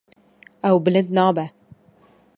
Ew bilind nabe.